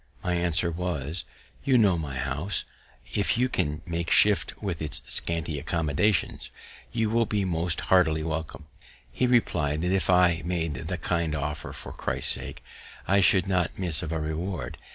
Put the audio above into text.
My answer was, "You know my house; if you can make shift with its scanty accommodations, you will be most heartily welcome." He reply'd, that if I made that kind offer for Christ's sake, I should not miss of a reward.